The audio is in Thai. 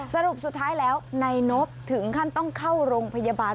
สรุปสุดท้ายแล้วนายนบถึงขั้นต้องเข้าโรงพยาบาล